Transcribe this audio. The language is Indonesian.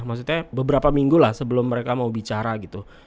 maksudnya beberapa minggu lah sebelum mereka mau bicara gitu